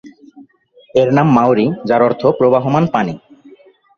এর নাম মাওরি, যার অর্থ "প্রবাহমান পানি"।